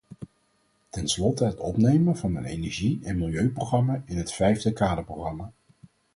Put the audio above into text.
Tenslotte het opnemen van een energie- en milieuprogramma in het vijfde kaderprogramma.